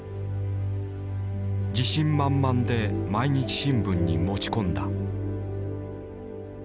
自信満々で毎日新聞に持ち込んだ。